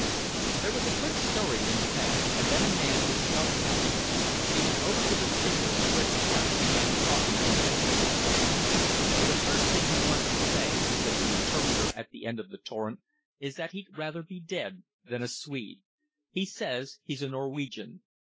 There was a quick stirring in the mass and then a man was shoved out of it. He went over to the speaker, who at once began talking intensely. "The first thing he wants to say," said the interpreter at the end of the torrent, "is that he'd rather be dead than a Swede. He says he's a Norwegian.